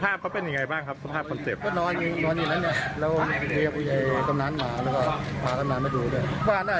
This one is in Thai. ข้าบอกว่านายจะเอาอาวาสเถอะเขาก็ไปดูให้หน่อย